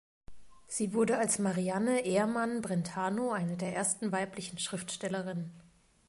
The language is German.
Sie wurde als Marianne Ehrmann-Brentano eine der ersten weiblichen Schriftstellerinnen.